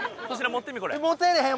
持てへん！